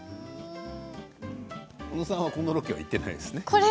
小野さんはこのロケは行ってないんですね。